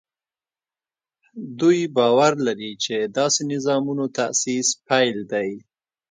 دوی باور لري چې داسې نظامونو تاسیس پیل دی.